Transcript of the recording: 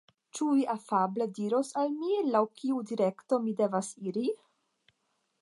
Ĉu vi afable diros al mi laŭ kiu direkto mi devas iri?